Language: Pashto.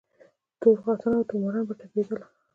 تور زاغان او تور ماران به تپېدله